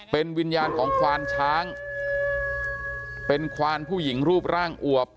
เป็นวิญญาณของควานช้างเป็นควานผู้หญิงรูปร่างอวบ